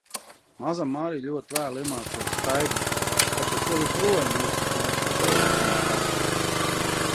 Mazā Marija ļoti vēlu iemācījās staigāt, tāpēc vēl joprojām jūtas nedroši, ejot viena pati.